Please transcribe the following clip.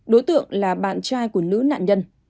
đối tượng là bạn trai của nữ nạn nhân